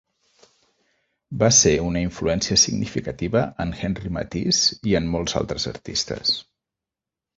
Va ser una influència significativa en Henri Matisse i en molts altres artistes.